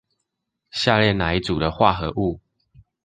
下列哪一組的化合物